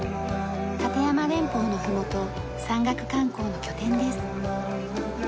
立山連峰のふもと山岳観光の拠点です。